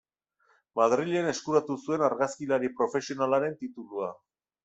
Madrilen eskuratu zuen argazkilari profesionalaren titulua.